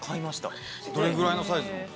どれぐらいのサイズの。